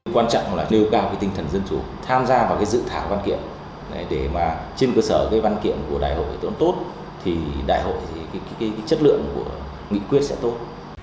quan trọng là nêu cao tinh thần dân chủ tham gia vào dự thảo văn kiện để mà trên cơ sở văn kiện của đại hội tốt thì đại hội chất lượng của nghị quyết sẽ tốt